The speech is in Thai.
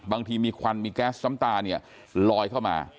บางทีมีควันมีแก๊สน้ำตาเนี่ยลอยเข้ามา